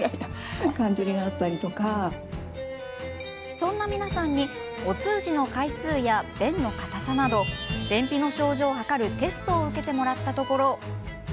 そんな皆さんにお通じの回数や便の硬さなど便秘の症状を図るテストを受けてもらったところ